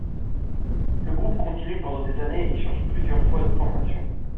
Le groupe continue pendant des années et change plusieurs fois de formation.